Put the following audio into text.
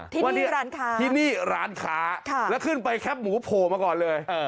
ว่านี่ร้านค้าที่นี่ร้านค้าแล้วขึ้นไปแคปหมูโผล่มาก่อนเลย